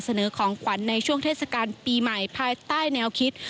ของขวัญในช่วงเทศกาลปีใหม่ภายใต้แนวคิด